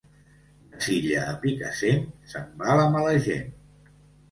De Silla a Picassent, se'n va la mala gent.